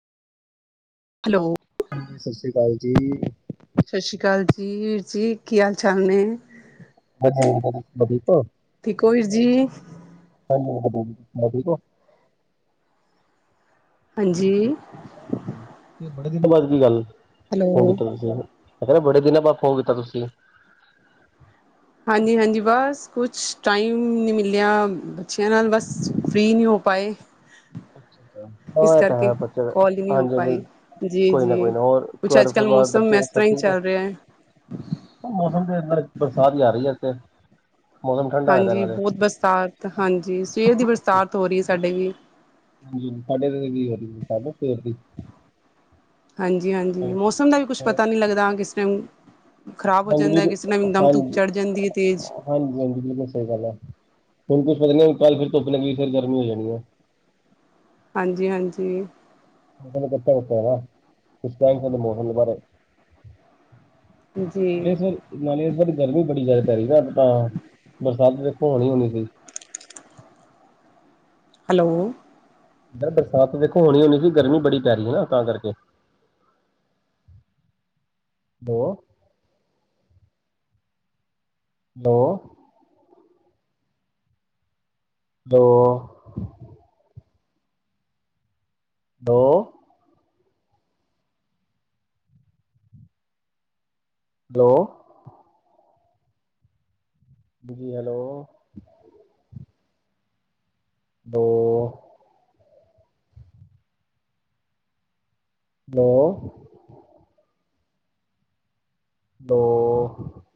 Hello ਹਾਂਜੀ, ਸਸਿ ਸ਼੍ਰੀ ਕਾਲ ਜੀ। ਸਸਿ ਸ਼ੀਕਾਲ ਜੀ ਵੀਰ ਜੀ ਕੀ ਹਾਲ- ਚਾਲ ਨੇ ਹਜੇ ਹ ਵਧੀਕ ਠੀਕ ਓ ਵੀਰ ਜੀ। ਹਾਂਜੀ ਵ ਵਧ ਤ ਠੀਕ ਓ ਹਾਂਜੀ ਬੜੇ ਦਿਨ ਤੋਂ ਬਾਅਦ ਕੀ ਗੱਲ ਹੋਣ ਹੈਲੋ ਕੀਤਾ ਗ ਸੀਗਾ। ਮੈ ਕਿਹਾ ਬੜੇ ਦਿਨਾਂ ਬਾਅਦ ਫੋਨ ਕੀਤਾ ਤੁਸੀਂ। ਹਾਂਜੀ, ਹਾਂਜੀ ਬਸ ਕੁਛ ਟਾਈਮ ਨਈ ਮਿਲਿਆ, ਬੱਚਿਆਂ ਨਾਲ ਬਸ ਫਰੀ ਨਹੀਂ ਹੋ ਪਾਏ। ਅੱਛਾ, ਅੱਛਾ ਇਸ ਆ ਇਹ ਤਾਂ ਕਰਕੇ ਹੈ ਬੇ ਹਾਂਜੀ, ਕਾਲ ਹੀ ਨਹੀਂ ਹੋ ਹਾਂਜੀ ਪਾਈ ਜੀ ਕੋਈ ਨਾ, ਕੋਈ ਨਾ, ਹੋਰ ਘਰ ਪਰਿਵਾਰ, ਬੱਚੇ ਸਭ ਸਹੀ ਠੀਕ ਹੈ ਚੱਲ ਰਿਹਾ ਐ। ਮੌਸਮ ਤੇ ਫੑਕ ਬਰਸਾਤ ਜਾ ਰਹੀ ਐ ਏੱਥੇ। ਹਾਂਜੀ ਬੋੱਤ ਬਰਸਾਤ, ਹਾਂਜੀ, ਸਵੇਰ ਦੀ ਬਰਸਾਤ ਹੋ ਰਹੀ ਐ ਸਾਡੇ ਵੀ। ਤੁਸੀ ਸਾਡੇ ਲਏ ਕੀ ਔ ਸਾਡੇ ਸਵੇਰ ਦੀ ਹਾਂਜੀ, ਹਾਂਜੀ ਹੋਰ ਮੌਸਮ ਦਾ ਵੀ ਕੁੱਛ ਹੋਰ ਪਤਾ ਨਈ ਲੱਗਦਾ ਕਿਸ ਟੈਮ। ਖ਼ਰਾਬ ਔ ਹਾਂਜੀ ਜਾਂਦਾ, ਵੀਰ ਕਿਸ ਟੈਮ ਇੱਕਦਮ ਧੁੱਪ ਚੜ ਜਾਂਦੀ ਏ ਤੇਜ਼। ਹਾਂਜੀ-ਹਾਂਜੀ ਬਿਲਕੁਲ ਸਹੀ ਗੱਲ ਐ, ਹੁਨ ਕੁਛ ਪਤਾ ਨੀ ਕੱਲ ਫੇਰ ਧੁੱਪ ਲੱਗੀ, ਫਿਰ ਗਰਮੀ ਹੋ ਜਾਨੀ ਐ। ਹਾਂਜੀ- ਹਾਂਜੀ। ਚਾ ਹੈ ਕੁਛ ਕਹਿ ਸਕਦੇ ਮੌਸਮ ਦੇ ਬਾਰੇ ਜੀ ਬ ਫਿਰ ਨਾਲੇ ਇਸ ਬਾਰੀ ਗਰਮੀ ਬੜੀ ਜ਼ਿਆਦਾ ਪੈ ਰਹੀ ਤਾਂ ਹਾ, ਬਰਸਾਤ ਦੇੇਖੋ ਹੋਣੀ -ਹੋਣੀ ਸੀਹੀ। ਹੈਲੋ ਮੇ ਕਿਹਾ ਬਰਸਾਤ ਵੇਖੋ ਹੋਣੀ- ਹੋਣੀ ਸੀ, ਗਰਮੀ ਬੜੀ ਪੈ ਰਹੀ ਐ ਨਾ ਤਾਂ ਕਰਕੇ। ਹੋ ਹੈਲੋ ਹੈਲੋ ਦੋ ਹੈਲੋ ਜੀ, ਹੈਲੋ ਦੋ ਹੈਲੋ ਉਹ